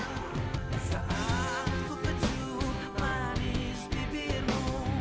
harusnya hati hati tuh lo